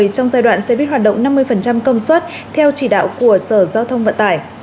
trong giai đoạn xe buýt hoạt động năm mươi công suất theo chỉ đạo của sở giao thông vận tải